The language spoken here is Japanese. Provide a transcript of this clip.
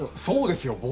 そうですよ。